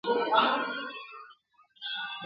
له حملو د ګیدړانو د لېوانو ..